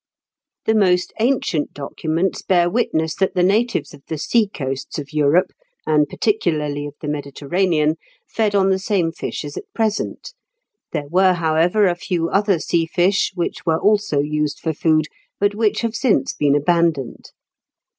] The most ancient documents bear witness that the natives of the sea coasts of Europe, and particularly of the Mediterranean, fed on the same fish as at present: there were, however, a few other sea fish, which were also used for food, but which have since been abandoned.